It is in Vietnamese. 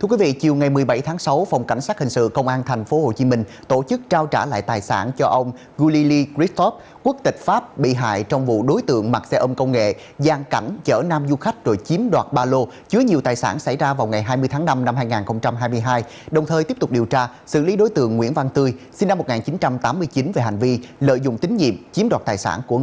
thưa quý vị chiều ngày một mươi bảy tháng sáu phòng cảnh sát hình sự công an tp hcm tổ chức trao trả lại tài sản cho ông gullily christophe quốc tịch pháp bị hại trong vụ đối xử với nguyễn anh quốc